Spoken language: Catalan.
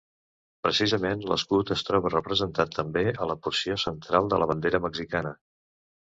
Precisament l'escut es troba representat també a la porció central de la bandera mexicana.